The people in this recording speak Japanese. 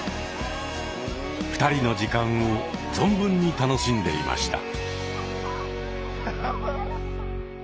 ２人の時間を存分に楽しんでいました。